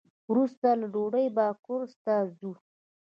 وروسته له ډوډۍ به کورس ته ځو.